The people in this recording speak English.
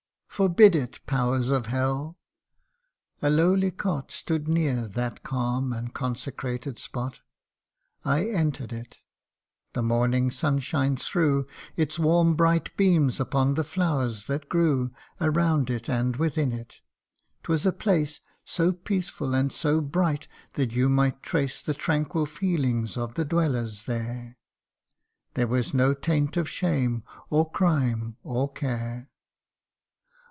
Forbid it, Powers of Hell !' A lowly cot Stood near that calm and consecrated spot : I enter'd it : the morning sunshine threw Its warm bright beams upon the flowers that grew Around it and within it 'twas a place So peaceful and so bright, that you might trace The tranquil feelings of the dwellers there ; There was no taint of shame, or crime, or care.